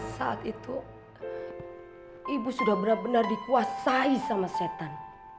saat itu ibu sudah benar benar dikuasai sama setan